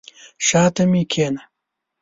شاته مي کښېنه !